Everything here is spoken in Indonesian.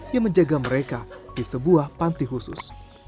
yang menjaga mereka di sebuah panti khusus